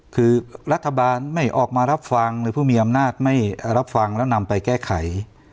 คือรัฐบาลไม่ออกมารับฟังหรือผู้มีอำนาจไม่รับฟังแล้วนำไปแก้ไข